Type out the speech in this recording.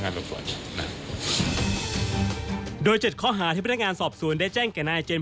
๑ขับรถโดยประมาทเป็นเหตุให้ผู้อื่นถึงแก่ความตาย